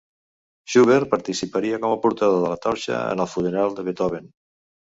Schubert participaria com a portador de la torxa en el funeral de Beethoven.